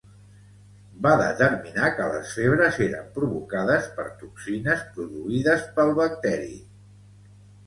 Va determinar que les febres eren provocades per toxines produïdes pel bacteri.